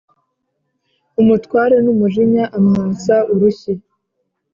umutware numujinya amwasa urushyi